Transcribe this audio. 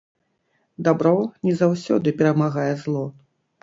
Дабро не заўсёды перамагае зло.